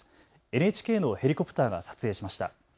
ＮＨＫのヘリコプターが撮影しました。